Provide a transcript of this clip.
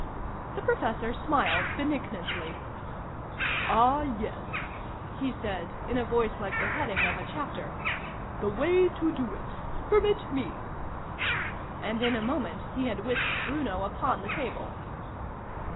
The Professor smiled benignantly. " Ah, yes !" he said, in a voice like the heading of a chapter. " The Way To Do It ! Permit me !" and in a moment he had whisked Bruno upon the table.